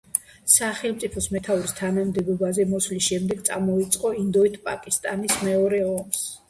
სახელმწიფოს მეთაურის თანამდებობაზე მოსვლის შემდეგ წამოიწყო ინდოეთ-პაკისტანის მეორე ომს.